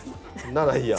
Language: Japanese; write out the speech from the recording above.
ならいいや。